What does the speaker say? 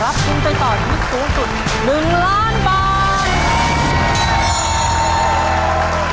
ทุนไปต่อชีวิตสูงสุด๑ล้านบาท